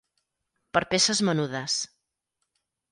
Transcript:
Per peces menudes.